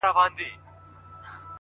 عمر خپله یو الـــــــهام د تاوده لـمر دی